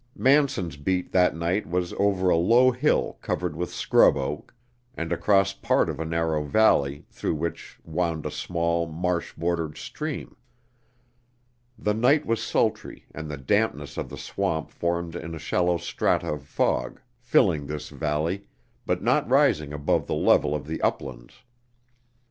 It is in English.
Manson's beat that night was over a low hill covered with scrub oak, and across part of a narrow valley, through which wound a small, marsh bordered stream. The night was sultry, and the dampness of the swamp formed in a shallow strata of fog, filling this valley, but not rising above the level of the uplands.